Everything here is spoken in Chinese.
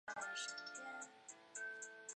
摩高斯是英格兰的亚瑟王传说中登场的人物。